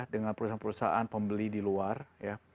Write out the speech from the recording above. dengan perusahaan perusahaan pembeli di luar ya